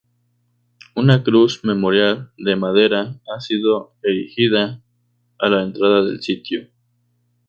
Una cruz-memorial de madera ha sido erigida a la entrada del sitio.